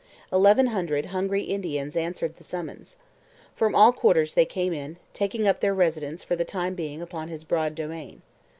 Eleven hundred hungry Indians answered the summons. From all quarters they came in, taking up their residence for the time being upon his broad domain.